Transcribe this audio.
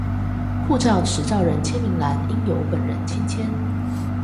護照持照人簽名欄應由本人親簽